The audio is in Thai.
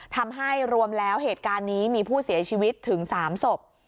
ทำให้รวมแล้วเหตุการณ์นี้มีผู้เสียชีวิตถึง๓ศพ